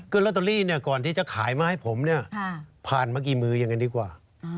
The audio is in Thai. คือลอตเตอรี่ก่อนที่จะขายมาให้ผมเนี่ยผ่านมากี่มือยังไงดีกว่า